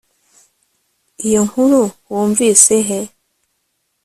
iyo nkuru wumvise he